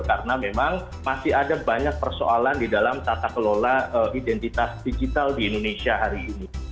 karena memang masih ada banyak persoalan di dalam tata kelola identitas digital di indonesia hari ini